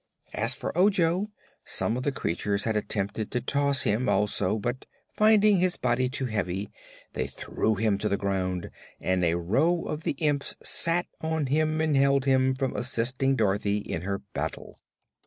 As for Ojo, some of the creatures had attempted to toss him, also, but finding his body too heavy they threw him to the ground and a row of the imps sat on him and held him from assisting Dorothy in her battle.